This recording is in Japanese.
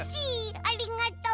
ありがとう。